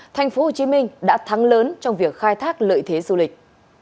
tp hcm đã thắng lớn trong việc khai thác lợi thế du lịch